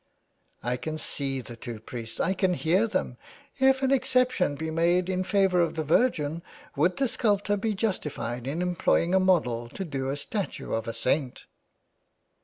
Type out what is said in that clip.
" I can see the two priests, I can hear them. If an exception be made in favour of the Virgin would the 414 THE WAY BACK. sculptor be justified in employing a model to do a statue of a saint."